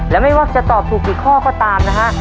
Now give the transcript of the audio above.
และไม่ว่าจะตอบถูกกี่ข้อก็ตามนะฮะ